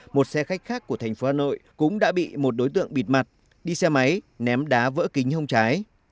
một xe khách khác của thành phố hà nội cũng đã bị một đối tượng bịt mặt đi xe máy ném đá vỡ kính hông trái